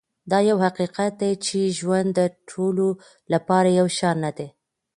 دا یو حقیقت دی چې ژوند د ټولو لپاره یو شان نه دی.